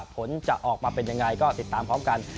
ผลจะออกมาเป็นยังไงก็ติดตามพร้อมกัน